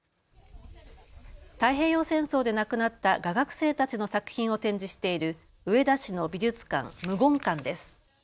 太平洋戦争で亡くなった画学生たちの作品を展示している上田市の美術館、無言館です。